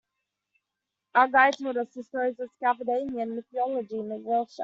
Our guide told us stories of Scandinavian mythology in a Welsh accent.